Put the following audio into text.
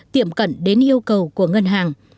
tiệm cận đến yêu cầu của ngân hàng